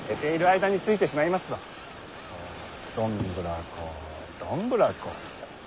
どんぶらこどんぶらことな。